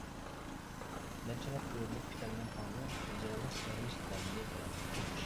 نەچچە رەت ئۆرۈلۈپ كۈتەرمەن تاڭنى، ھىجرانلىق سىغىنىش دەردىنى پۇراپ.